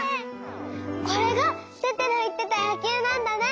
これがテテのいってた「やきゅう」なんだね！